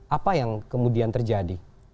apa yang kemudian terjadi